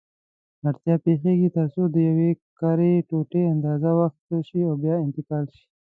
اړتیا پېښېږي ترڅو د یوې کاري ټوټې اندازه واخیستل شي او بیا انتقال شي.